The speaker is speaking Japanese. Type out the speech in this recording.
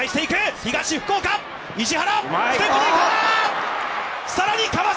東福岡、石原。